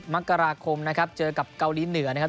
มกราคมนะครับเจอกับเกาหลีเหนือนะครับ